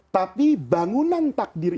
tapi bangunan takdir